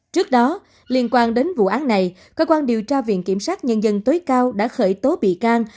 trước đó liên quan đến vụ án này cơ quan điều tra viện kiểm sát nhân dân tối cao đã khởi tố bị can